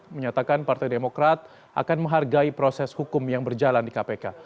menyatakan partai demokrat akan menghargai proses hukum yang berjalan di kpk